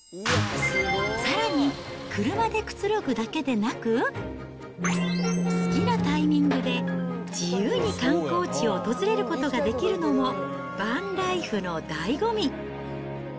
さらに、車でくつろぐだけでなく、好きなタイミングで、自由に観光地を訪れることができるのも、バンライフのだいご味。